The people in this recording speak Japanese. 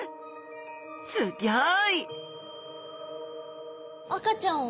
すっギョい！